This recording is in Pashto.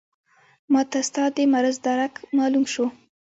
ماته ستا د مرض درک معلوم شو.